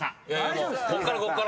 もうこっからこっから。